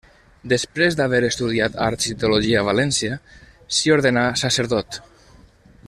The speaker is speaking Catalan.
Després d'haver estudiat arts i teologia a València, s'hi ordenà sacerdot.